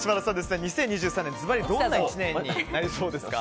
２０２３年はずばりどんな１年になりそうですか？